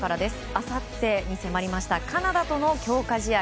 あさってに迫りましたカナダとの強化試合。